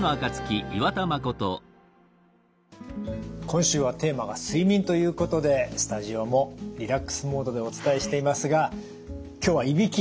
今週はテーマが「睡眠」ということでスタジオもリラックスモードでお伝えしていますが今日はいびき。